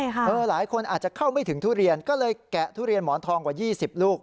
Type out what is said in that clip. หลายคนอาจจะเข้าไม่ถึงทุเรียนก็เลยแกะทุเรียนหมอนทองกว่า๒๐ลูก